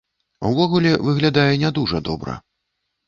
Увогуле выглядае не дужа добра.